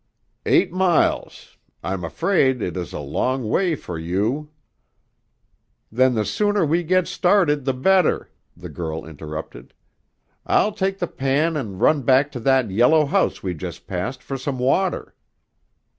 "Eight miles; I'm afraid it is a long way for you " "Then the sooner we git started the better," the girl interrupted. "I'll take the pan an' run back to that yellow house we just passed for some water."